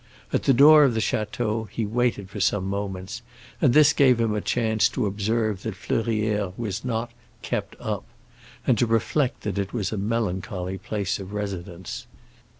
At the door of the château he waited for some moments, and this gave him a chance to observe that Fleurières was not "kept up," and to reflect that it was a melancholy place of residence.